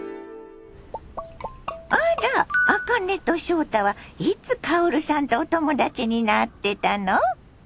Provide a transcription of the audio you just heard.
あらあかねと翔太はいつ薫さんとお友達になってたの？